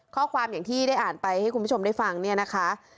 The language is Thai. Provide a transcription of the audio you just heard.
ข้อความอย่างที่ได้อ่านไปให้คุณผู้ชมได้ฟังเนี่ยนะคะ